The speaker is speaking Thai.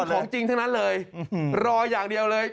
ของจริงทั้งนั้นเลยรออย่างเดียวเลย